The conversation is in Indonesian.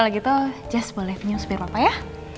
kalau gitu just boleh nyuspir papa ya